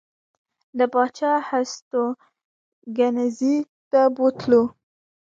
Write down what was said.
د پاچا هستوګنځي ته بوتلو.